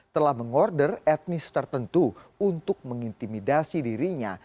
telah mengorder etnis tertentu untuk mengintimidasi dirinya